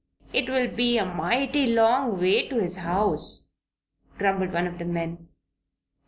"It'll be a mighty long way to his house," grumbled one of the men.